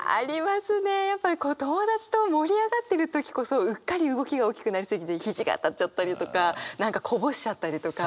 やっぱり友達と盛り上がってる時こそうっかり動きが大きくなり過ぎて肘が当たっちゃったりとか何かこぼしちゃったりとか。